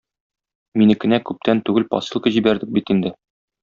Минекенә күптән түгел посылка җибәрдек бит инде.